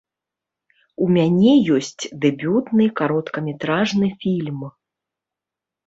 У мяне ёсць дэбютны кароткаметражны фільм.